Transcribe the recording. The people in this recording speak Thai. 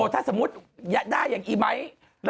ถ้าสมมุติได้อย่างอีไม้